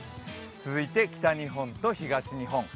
続いて北日本と東日本。